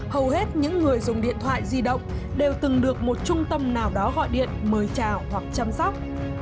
hầu hết những người dùng điện thoại di động đều từng được một trung tâm nào đó gọi điện mời chào hoặc chăm sóc